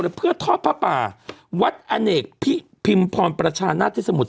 เลยเพื่อท็อดพระป่าวัดเอนกพิภิมพรประชานทศมุติ